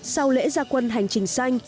sau lễ gia quân hành trình xanh